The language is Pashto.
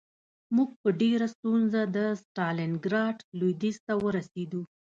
موږ په ډېره ستونزه د ستالینګراډ لویدیځ ته ورسېدو